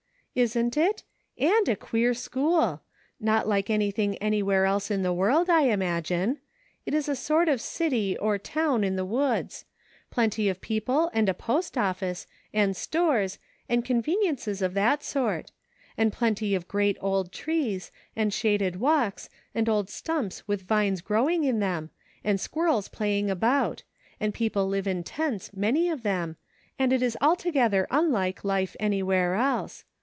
" Isn't it .■* and a queer school. Not like anything anywhere else in the world, I imagine. It is a sort of city or town in the woods ; plenty of people and a post office, and stores, and conveniences of that sort ; and plenty of great old trees, and shaded walks, and old stumps with vines growing in them, and squirrels playing about ; and people live in tents, many of them, and it is altogether unlike life anywhere else.